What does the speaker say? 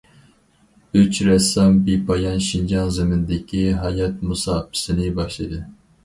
ئۈچ رەسسام بىپايان شىنجاڭ زېمىنىدىكى ھايات مۇساپىسىنى باشلىدى.